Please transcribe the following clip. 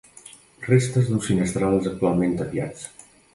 Restes d'uns finestrals actualment tapiats.